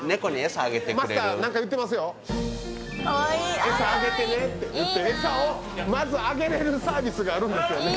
餌あげてねって餌をまずあげれるサービスがあるんですよね